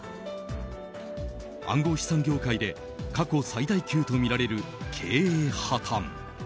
暗号資産業界で過去最大級とみられる経営破綻。